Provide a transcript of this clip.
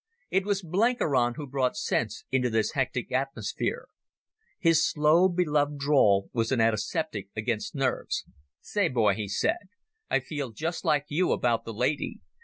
It was Blenkiron who brought sense into this hectic atmosphere. His slow, beloved drawl was an antiseptic against nerves. "Say, boy," he said, "I feel just like you about the lady.